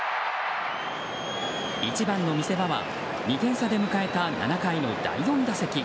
一番の見せ場は２点差で迎えた７回の第４打席。